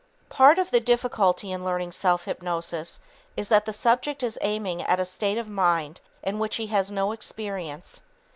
Part of the difficulty in learning self hypnosis is that the subject is aiming at a state of mind in which he has no experience.